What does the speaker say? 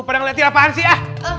padahal ngeliatin apaan sih ah